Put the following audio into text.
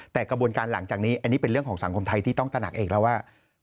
แต่กระบวนการหลังจากนี้อันนี้เป็นเรื่องของสังคมไทยที่ต้องตระหนักเองแล้วว่า